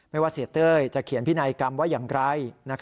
ว่าเสียเต้ยจะเขียนพินัยกรรมว่าอย่างไร